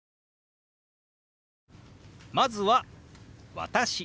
まずは「私」。